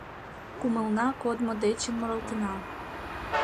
Кумылна кодмо дечын муралтена.